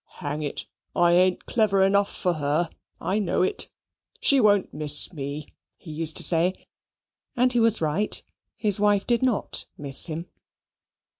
"Hang it, I ain't clever enough for her I know it. She won't miss me," he used to say: and he was right, his wife did not miss him.